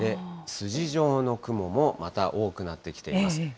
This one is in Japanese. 筋状の雲もまた多くなってきています。